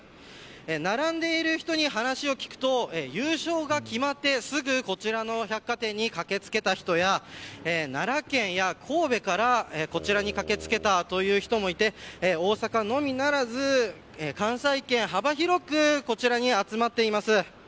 並んでいる人に話を聞くと優勝が決まってすぐこちらの百貨店に駆け付けた人や奈良県や神戸からこちらに駆け付けたという人もいて大阪のみならず関西圏幅広くこちらに集まっています。